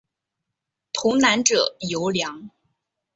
童男者尤良。